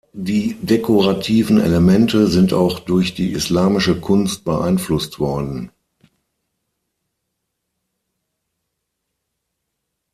Die dekorativen Elemente sind auch durch die islamische Kunst beeinflusst worden.